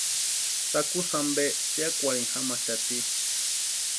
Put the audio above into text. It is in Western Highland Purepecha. Takusï ampe piakwarhini jamaxati.